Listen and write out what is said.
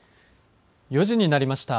４時になりました。